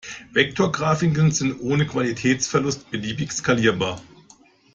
Vektorgrafiken sind ohne Qualitätsverlust beliebig skalierbar.